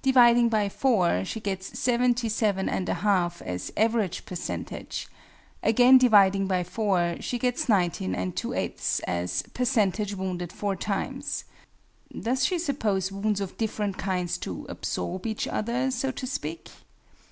dividing by 4, she gets 77 and a half as "average percentage:" again dividing by 4, she gets 19 and 3/8ths as "percentage wounded four times." Does she suppose wounds of different kinds to "absorb" each other, so to speak?